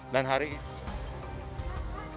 dan hari ini